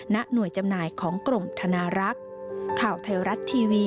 ณหน่วยจำหน่ายของกรมธนารักษ์